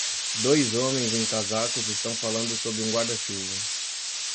Dois homens em casacos estão falando sob um guarda-chuva.